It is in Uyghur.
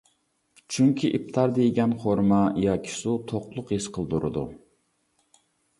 چۈنكى ئىپتاردا يېگەن خورما ياكى سۇ توقلۇق ھېس قىلدۇرىدۇ.